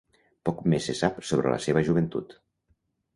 Poc més se sap sobre la seva joventut.